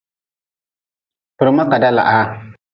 Kpirma kaeda lahaa.